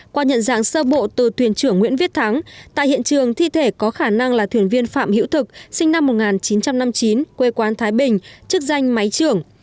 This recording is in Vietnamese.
qua nhận dạng sơ bộ từ thuyền trưởng nguyễn viết thắng tại hiện trường thi thể có khả năng là thuyền viên phạm hữu thực sinh năm một nghìn chín trăm năm mươi chín quê quán thái bình chức danh máy trưởng